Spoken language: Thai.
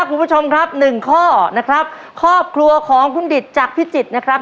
คุณผู้ชมครับหนึ่งข้อนะครับครอบครัวของคุณดิตจากพิจิตรนะครับ